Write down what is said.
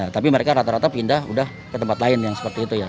tapi mereka rata rata pindah udah ke tempat lain yang seperti itu ya